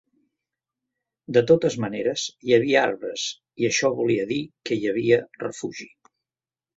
De totes maneres, hi havia arbres i això volia dir que hi havia refugi.